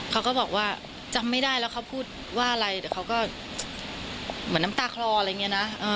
เขาก็บอกว่าจำไม่ได้แล้วเขาพูดว่าอะไรแต่เขาก็เหมือนน้ำตาคลออะไรอย่างนี้นะ